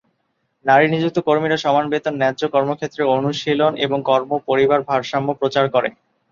নারী নিযুক্ত কর্মীরা সমান বেতন, ন্যায্য কর্মক্ষেত্রের অনুশীলন এবং কর্ম-পরিবার ভারসাম্য প্রচার করে।